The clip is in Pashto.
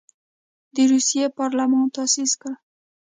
د روسیې پارلمان تاسیس کړ.